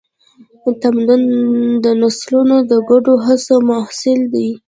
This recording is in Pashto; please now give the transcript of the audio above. تمدن د نسلونو د ګډو هڅو محصول دی.